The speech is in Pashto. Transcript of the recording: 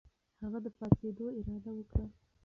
هغه د پاڅېدو اراده وکړه.